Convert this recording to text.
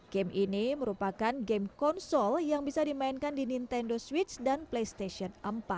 game ini merupakan game konsol yang bisa dimainkan di nintendo switch dan playstation empat